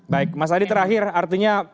kasih misspeak orang gitu